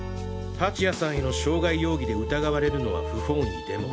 蜂谷さんへの傷害容疑で疑われるのは不本意でも。